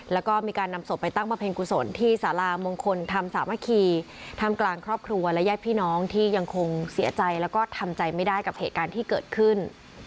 แล้วก็มีการนำศพไปตั้งบำเพ็ญกุศลที่สารามงคลธรรมสามัคคีท่ามกลางครอบครัวและญาติพี่น้องที่ยังคงเสียใจแล้วก็ทำใจไม่ได้กับเหตุการณ์ที่เกิดขึ้น